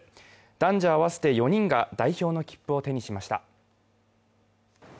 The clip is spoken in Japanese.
男女合わせて４人が代表の切符を手にしました。